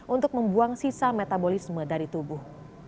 untuk membuang sisa metabolisme dari tubuh